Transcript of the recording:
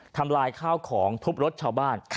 ทำลายข้าวของทุบรถชาวบ้าน